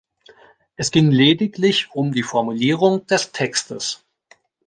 Es ging lediglich um die Formulierung des Textes.